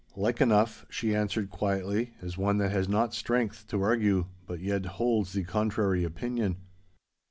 'Like enough,' she answered, quietly, as one that has not strength to argue, but yet holds the contrary opinion.